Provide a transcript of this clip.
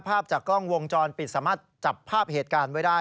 ภาพจากกล้องวงจรปิดสามารถจับภาพเหตุการณ์ไว้ได้